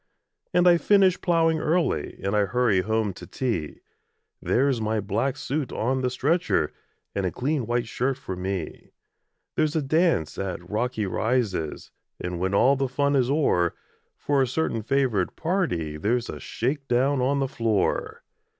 And I finish ploughing early, And I hurry home to tea There's my black suit on the stretcher, And a clean white shirt for me; There's a dance at Rocky Rises, And, when all the fun is o'er, For a certain favoured party There's a shake down on the floor.